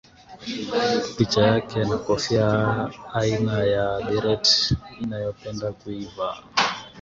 Picha yake na kofia aina ya Beret aliyopenda kuivaa